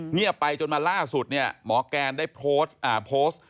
เงียบไปจนมาล่าสุดเนี่ยหมอแกนได้โพสต์โพสต์